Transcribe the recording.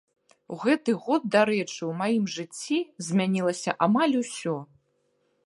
У гэты год, дарэчы, у маім жыцці змянілася амаль усё.